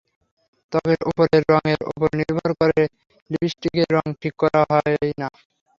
ত্বকের ওপরের রঙের ওপর নির্ভর করে লিপস্টিকের রং ঠিক করা হয় না।